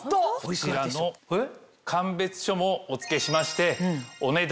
こちらの鑑別書もお付けしましてお値段。